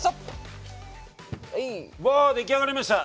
うわ出来上がりました！